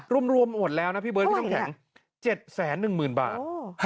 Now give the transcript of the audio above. รวมรวมหมดแล้วนะพี่เบิ้ลว่าไหนแหงเจ็บแสนหนึ่งหมื่นบาทอ๋อ